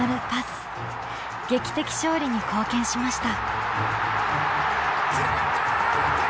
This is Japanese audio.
劇的勝利に貢献しました。